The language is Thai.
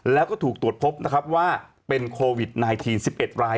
แล้วก็ถูกตรวจพบว่าเป็นโควิด๑๙สิบเอ็ดราย